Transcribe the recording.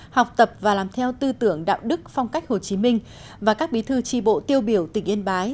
học tập và làm theo tư tưởng đạo đức phong cách hồ chí minh và các bí thư tri bộ tiêu biểu tỉnh yên bái